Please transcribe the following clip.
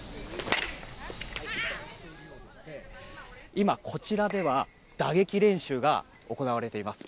今、こちらでは打撃練習が行われています。